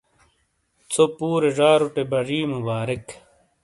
ژھو پُورے زاروٹے بری مبارک !